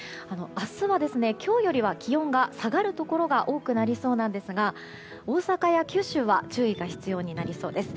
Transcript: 明日は今日よりは気温が下がるところが多くなりそうなんですが大阪や九州は注意が必要になりそうです。